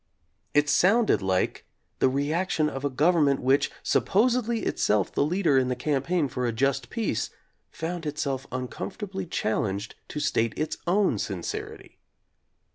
It sounded like the re action of a Government which — supposedly itself the leader in the campaign for a just peace — found itself uncomfortably challenged to state its own sincerity.